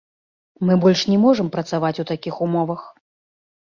Мы больш не можам працаваць у такіх умовах!